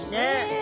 え！